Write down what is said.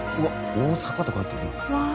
大阪とか入ってるな。